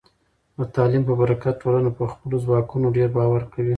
د تعلیم په برکت، ټولنه په خپلو ځواکونو ډیر باور کوي.